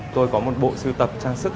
tôi có một bộ sưu tập trang sức